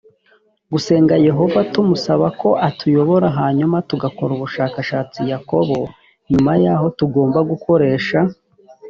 gusenga yehova tumusaba ko atuyobora hanyuma tugakora ubushakashatsi yakobo nyuma yaho tugomba gukoresha